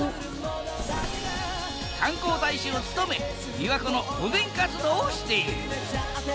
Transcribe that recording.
観光大使を務めびわ湖の保全活動をしている。